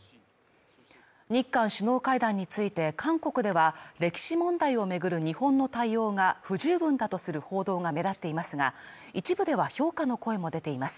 日韓首脳会談について韓国では歴史問題を巡る日本の対応が不十分だとする報道が目立っていますが、一部では評価の声も出ています。